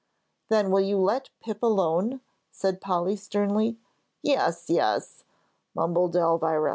"Then will you let Pip alone?" said Polly, sternly. "Yes, yes," mumbled Elvira.